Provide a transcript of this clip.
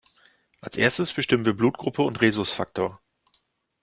Als Erstes bestimmen wir Blutgruppe und Rhesusfaktor.